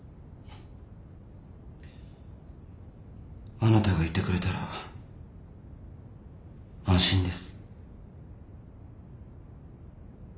あなたがいてくれたら安心です。